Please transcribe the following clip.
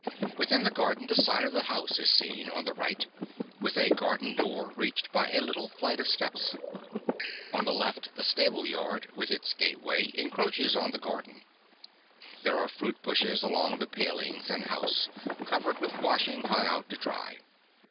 Within the garden the side of the house is seen on the right, with a garden door reached by a little flight of steps. On the left the stable yard, with its gateway, encroaches on the garden. There are fruit bushes along the paling and house, covered with washing hung out to dry.